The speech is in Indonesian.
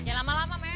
ya lama lama mel